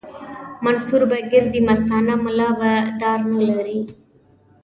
منصور به ګرځي مستانه ملا به دار نه لري